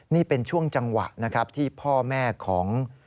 นี่เป็นช่วงจังหวะที่พ่อแม่ของ